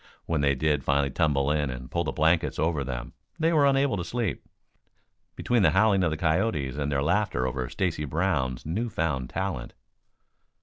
When they did finally tumble in and pull the blankets over them they were unable to sleep, between the howling of the coyotes and their laughter over Stacy Brown's new found talent.